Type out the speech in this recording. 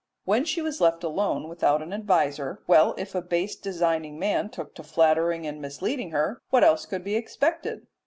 When she was left alone without an adviser well, if a base designing man took to flattering and misleading her what else could be expected?